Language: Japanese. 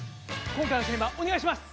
今回のテーマお願いします！